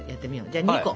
じゃあ２個。